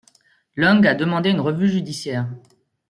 Leung a demandé une revue judiciaire.